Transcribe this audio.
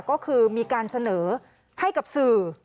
ก็คือมีการเสนอให้กับสื่อ